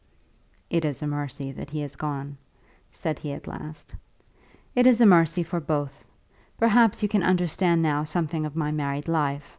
"It is a mercy that he has gone," said he at last. "It is a mercy for both. Perhaps you can understand now something of my married life.